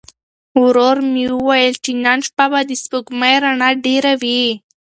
ورور مې وویل چې نن شپه به د سپوږمۍ رڼا ډېره وي.